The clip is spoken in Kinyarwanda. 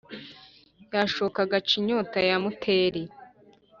yashoka agaca inyota ya muteri,